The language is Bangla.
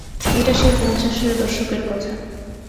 এটা সেই পঞ্চাশের দশকের কথা।